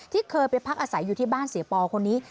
ที่เคยไปพักอาศัยอยู่ที่บ้านเสียปอคนนี้